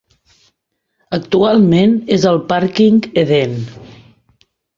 Actualment és el Pàrquing Edén.